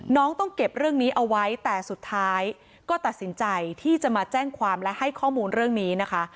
ต้องเก็บเรื่องนี้เอาไว้แต่สุดท้ายก็ตัดสินใจที่จะมาแจ้งความและให้ข้อมูลเรื่องนี้นะคะ